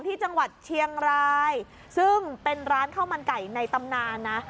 ที่จังหวัดเชียงรายซึ่งเป็นร้านข้าวมันไก่ในตำนานนะ